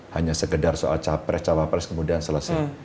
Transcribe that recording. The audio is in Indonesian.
hanya segedar soal cawapres cawapres kemudian selesai